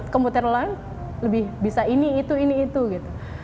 komputer lain lebih bisa ini itu ini itu gitu